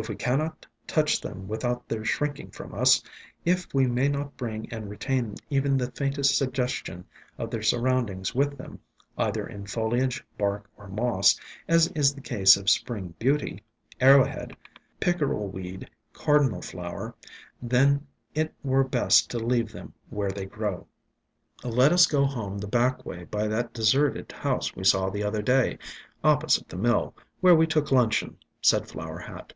If we cannot touch them without their shrinking from us, if we may not bring and retain even the faintest sugges tion of their surroundings with them, either in foli age, bark or moss, as in the case of Spring Beauty, ESCAPED FROM GARDENS 89 Arrowhead, Pickerel Weed, Cardinal Flower, then it were best to leave them where they grow." "Let us go home the back way by that deserted house we saw the other day, opposite the mill, where we took luncheon," said Flower Hat.